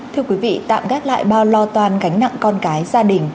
thưa quý vị tạm gác lại bao lo toan gánh nặng con cái gia đình